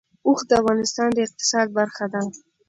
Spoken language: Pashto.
اوښ د افغانستان د اقتصاد برخه ده.